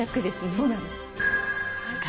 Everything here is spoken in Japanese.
そうなんです。